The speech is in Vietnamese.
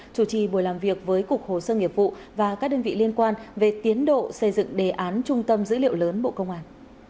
chủ trì buổi làm việc với cục hồ sơ nghiệp vụ và các đơn vị liên quan về tiến độ xây dựng đề án trung tâm dữ liệu lớn bộ công an